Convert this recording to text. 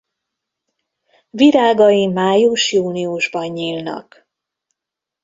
Virágai május–júniusban nyílnak.